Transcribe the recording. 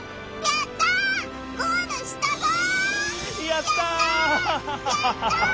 やったぞ！